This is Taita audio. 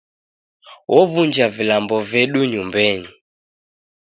Ow'unja vilambo vedu nyumbenyi.